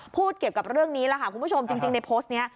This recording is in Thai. พูดเกี่ยวกับเรื่องนี้ล่ะค่ะคุณผู้ชมจริงในโพสต์นี้